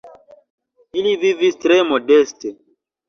Ili vivis tre modeste.